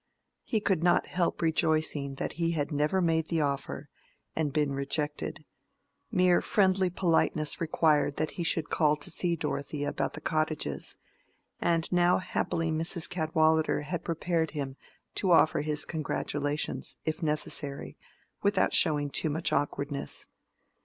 He could not help rejoicing that he had never made the offer and been rejected; mere friendly politeness required that he should call to see Dorothea about the cottages, and now happily Mrs. Cadwallader had prepared him to offer his congratulations, if necessary, without showing too much awkwardness.